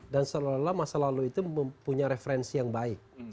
dan seolah olah masa lalu itu mempunyai referensi yang baik